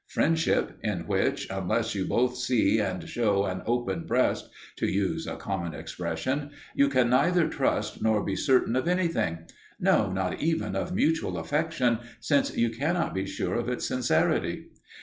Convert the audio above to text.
Friendship, in which, unless you both see and show an open breast, to use a common expression, you can neither trust nor be certain of anything no, not even of mutual affection, since you cannot be sure of its sincerity.